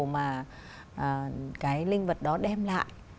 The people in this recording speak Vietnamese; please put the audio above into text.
mà cái linh vật đó đem lại